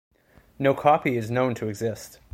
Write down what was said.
No copy is known to exist.